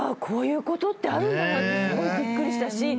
こういうことってあるんだなってすごいびっくりしたし。